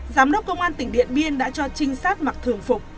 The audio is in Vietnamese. giám đốc công an tỉnh điện biên đã cho trinh sát mặc thường phục